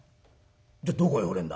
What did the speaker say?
「じゃあどこへほれんだ？」。